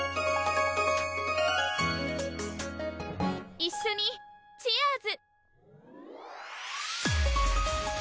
一緒にチアーズ！